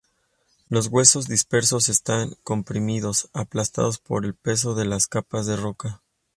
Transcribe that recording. Los huesos dispersos están comprimidos, aplastados por el peso de las capas de roca.